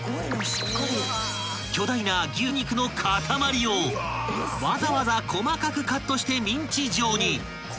［巨大な牛肉の塊をわざわざ細かくカットして］